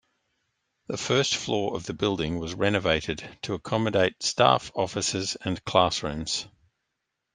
The first floor of the building was renovated to accommodate staff offices and classrooms.